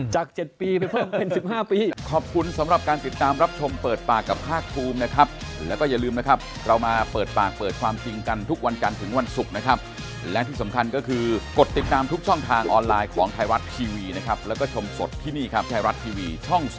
จาก๗ปีไปเพิ่มเป็น๑๕ปี